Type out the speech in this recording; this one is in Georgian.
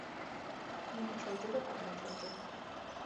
დიდი ჩორჯო და პატარა ჩორჯო.